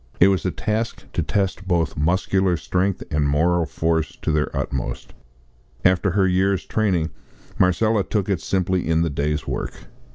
It was a task to test both muscular strength and moral force to their utmost. After her year's training Marcella took it simply in the day's work.